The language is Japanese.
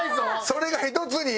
それが一つに？